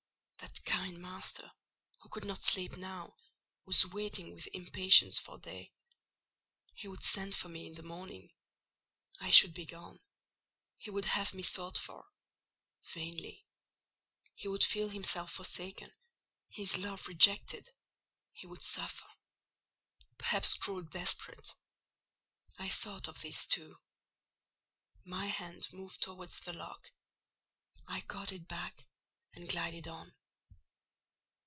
That kind master, who could not sleep now, was waiting with impatience for day. He would send for me in the morning; I should be gone. He would have me sought for: vainly. He would feel himself forsaken; his love rejected: he would suffer; perhaps grow desperate. I thought of this too. My hand moved towards the lock: I caught it back, and glided on.